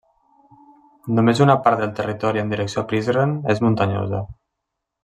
Només una part del territori en direcció a Prizren és muntanyosa.